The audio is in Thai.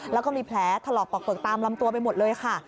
แล้วก็มีแผลถลอกปอกเปลือกตามลำตัวไปหมดเลยค่ะ